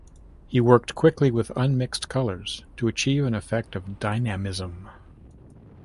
He worked quickly with unmixed colors to achieve an effect of dynamism.